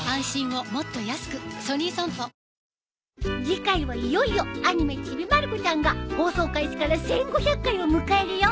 次回はいよいよアニメ『ちびまる子ちゃん』が放送開始から１，５００回を迎えるよ。